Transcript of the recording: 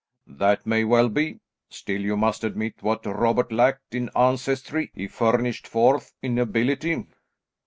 "That may well be, still you must admit that what Robert lacked in ancestry, he furnished forth in ability."